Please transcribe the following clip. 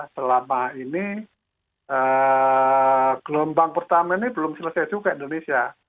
selama ini gelombang pertama ini belum selesai juga indonesia